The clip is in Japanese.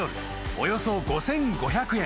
およそ５，５００円］